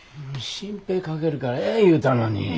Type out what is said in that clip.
心配かけるからええ言うたのに。